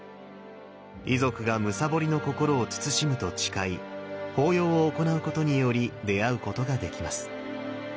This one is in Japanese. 遺族がむさぼりの心を慎むと誓い法要を行うことにより出会うことができます。